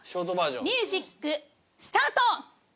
ミュージックスタート！